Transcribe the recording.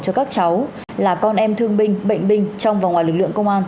cho các cháu là con em thương binh bệnh binh trong và ngoài lực lượng công an